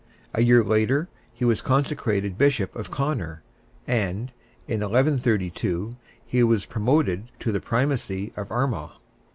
A year later, he was consecrated Bishop of Connor, and, in 1132, he was promoted to the primacy of Armagh.